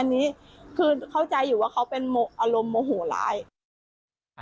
อันนี้คือเข้าใจอยู่ว่าเขาเป็นอารมณ์โมโหร้าย